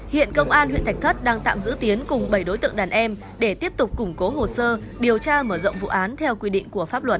hiện công an huyện thạch thất đang tạm giữ tiến cùng bảy đối tượng đàn em để tiếp tục củng cố hồ sơ điều tra mở rộng vụ án theo quy định của pháp luật